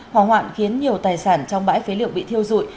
hỏa hoạn khiến nhiều tài sản trong bãi phế liệu bị thiêu dụi